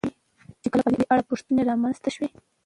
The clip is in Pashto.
چې کله په دې اړه پوښتنې را منځته شوې.